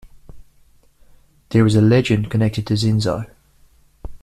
There is a legend connected to Xinzo.